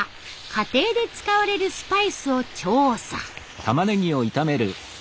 家庭で使われるスパイスを調査。